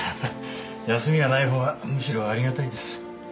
休みがないほうがむしろありがたいです。